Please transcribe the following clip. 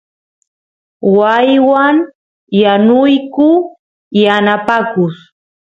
waaywan yanuyku yanapakus